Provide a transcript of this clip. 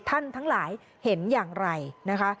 ทั้งหลายเห็นอย่างไรนะคะ